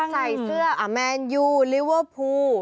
ใส่เสื้ออาร์แมนต์ยูลิเวอร์พูล